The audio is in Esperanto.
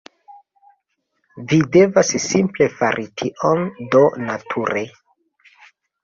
Vi devas simple fari tion... do nature...